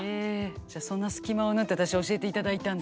じゃあそんな隙間を縫って私教えていただいたんだ？